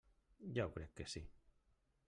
Ja ho crec que sí!